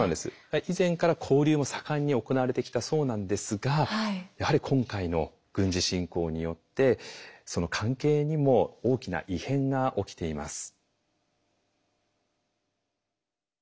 以前から交流も盛んに行われてきたそうなんですがやはり今回の軍事侵攻によってその関係にも大きな異変が起きています。